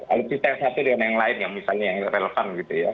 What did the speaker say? alipis yang satu dengan yang lain yang misalnya yang relevan